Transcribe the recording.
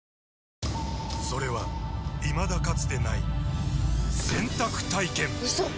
それはいまだかつてない洗濯体験‼うそっ！